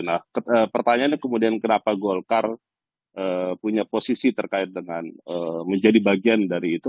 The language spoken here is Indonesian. nah pertanyaannya kemudian kenapa golkar punya posisi terkait dengan menjadi bagian dari itu